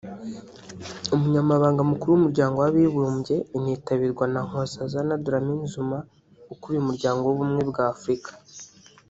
Umunyamabanga Mukuru w’Umuryango w’Abibumbye initabirwa na Nkosazana Dlamini Zuma ukuriye Umuryango w’Ubumwe bw’Afurika